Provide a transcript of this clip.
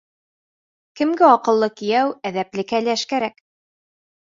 Кемгә аҡыллы кейәү, әҙәпле кәләш кәрәк?